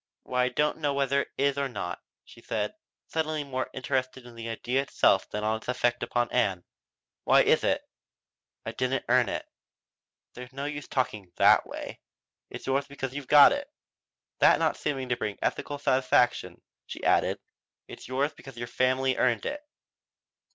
"Why I don't know whether it is or not," she said, suddenly more interested in the idea itself than in its effect upon Ann. "Why is it? I didn't earn it." "There's no use talking that way. It's yours because you've got it." That not seeming to bring ethical satisfaction she added: "It's yours because your family earned it."